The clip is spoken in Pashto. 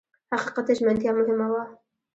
حقیقت ته ژمنتیا مهمه وه.